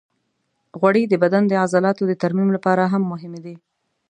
غوړې د بدن د عضلاتو د ترمیم لپاره هم مهمې دي.